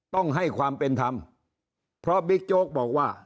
ต้องให้ความเป็นธรรมเพราะบิ๊กโจ๊กบอกว่า